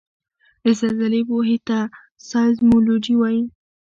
د زلزلې پوهې ته سایزمولوجي وايي